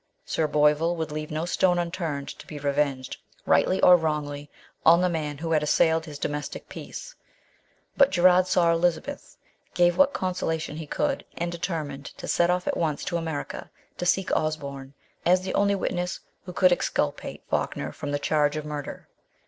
Sir Boyvill would leave no stone unturned to be revenged, rightly or wrongly, on the man who had assailed his domestic peace ; but Gerard saw Elizabeth, gave what consolation he could, and determined to set off at once to America to seek Osborne, as the only witness who could exculpate Falkner from the charge of murder.